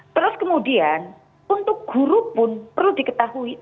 terus kemudian untuk guru pun perlu diketahui